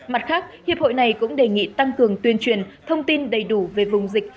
mặt khác hiệp hội này cũng đề nghị tăng cường tuyên truyền thông tin đầy đủ về vùng dịch